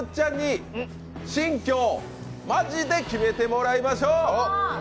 新居を、マジで決めてもらいましょう！